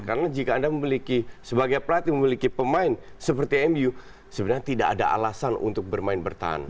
karena jika anda sebagai pelatih memiliki pemain seperti mu sebenarnya tidak ada alasan untuk bermain bertahan